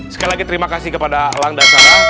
sekali lagi terima kasih kepada lang dan sarah